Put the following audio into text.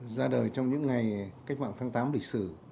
ra đời trong những ngày cách mạng tháng tám lịch sử